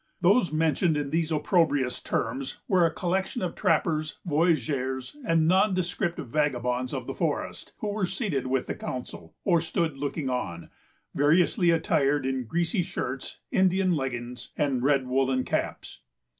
Those mentioned in these opprobrious terms were a collection of trappers, voyageurs, and nondescript vagabonds of the forest, who were seated with the council, or stood looking on, variously attired in greasy shirts, Indian leggins, and red woollen caps.